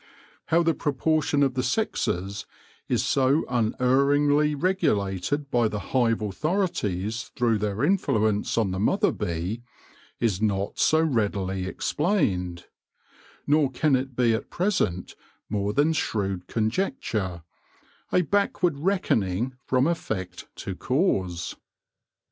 How the proportion of the sexes is so unerringly regulated by the hive authorities through their influ ence on the mother bee, is not so readily explained ; nor can it be at present more than shrewd conjecture^ m THE LORE OF THE HONEY BEE a backward reckoning from effect to cause.